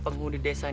yang jepitan jepitan